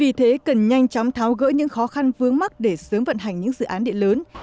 vì thế cần nhanh chóng tháo gỡ những khó khăn vướng mắt để sớm vận hành những dự án địa lớn